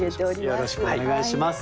よろしくお願いします。